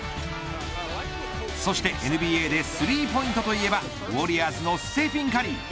そしてＮＢＡでスリーポイントといえばウォリアーズのステファン・カリー。